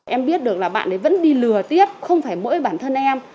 em biết được là bạn ấy vẫn đi lừa tiếp không phải mỗi bản thân em